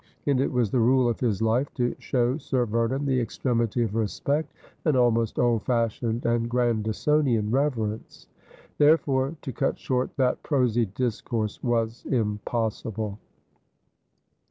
And it was the rule of his life to show Sir Vernon the extremity of respect, an almost old fashioned and Grandisonian r^erence. Therefore to cut short that prosy discourse was impossible.